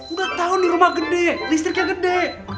udah tahun nih rumah gede listriknya gede